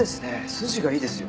筋がいいですよ。